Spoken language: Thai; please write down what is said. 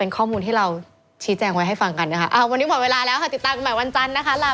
ชูเวทตีแสดงหน้า